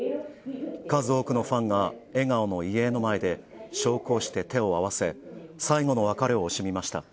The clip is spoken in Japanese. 数多くのファンが笑顔で遺影の前で焼香して手を合わせ、最後の別れを惜しみました。